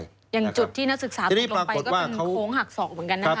อย่างจุดที่นักศึกษาตกลงไปก็เป็นโค้งหักศอกเหมือนกันนะครับ